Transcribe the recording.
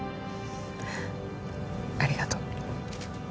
ありがとう。